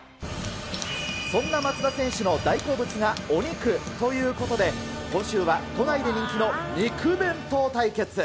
そんな松田選手の大好物がお肉ということで、今週は、都内で人気の肉弁当対決。